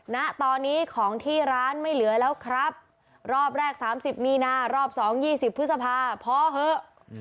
ณตอนนี้ของที่ร้านไม่เหลือแล้วครับรอบแรก๓๐มีนารอบสองยี่สิบพฤษภาพอเหอะ